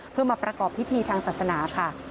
เพื่อมาประกอบพิธีทางศาสนาค่ะ